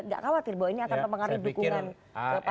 gak khawatir bahwa ini akan memengaruhi dukungan pak prabowo